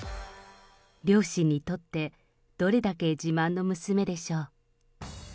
両親にとってどれだけ自慢の娘でしょう。